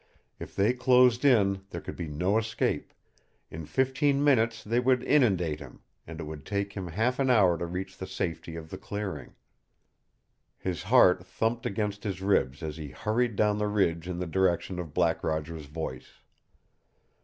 If they closed in there could be no escape; in fifteen minutes they would inundate him, and it would take him half an hour to reach the safety of the clearing. His heart thumped against his ribs as he hurried down the ridge in the direction of Black Roger's voice.